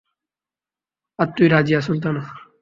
আর তুই রাজিয়া সুলতান!